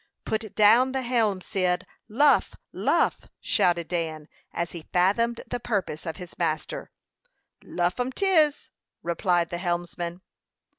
"Put down the helm, Cyd! Luff, luff!" shouted Dan, as he fathomed the purpose of his master. "Luff um 'tis!" replied the helmsman.